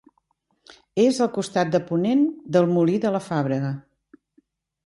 És al costat de ponent del Molí de la Fàbrega.